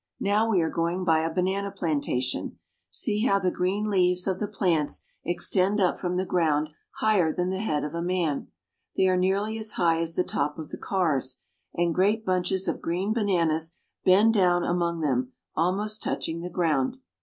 Now we are going by a banana plantation. See how the Banana Peddlt^r^ ACROSS PANAMA. 25 green leaves of the plants extend up from the ground higher than the head of a man. They are nearly as high as the top of the cars, and great bunches of green bananas bend down among them, almost touching the ground.